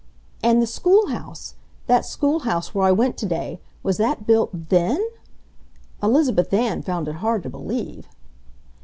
"And the schoolhouse—that schoolhouse where I went today—was that built THEN?" Elizabeth Ann found it hard to believe.